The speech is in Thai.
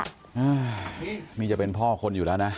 อ่านี่จะเป็นพ่อคนอยู่แล้วนะ